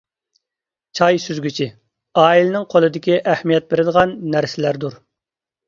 چاي سۈزگۈچى: ئائىلىنىڭ قولىدىكى ئەھمىيەت بېرىدىغان نەرسىلەردۇر.